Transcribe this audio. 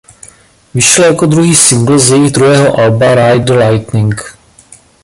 Vyšla jako druhý singl z jejich druhého alba "Ride the Lightning".